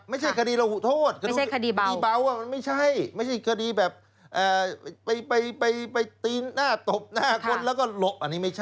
ไม่ใช่คดีระหุโทษคดีเบามันไม่ใช่ไม่ใช่คดีแบบไปตีนหน้าตบหน้าคนแล้วก็หลบอันนี้ไม่ใช่